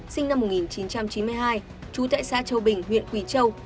sinh năm một nghìn chín trăm chín mươi hai trú tại xã châu bình huyện quỳ châu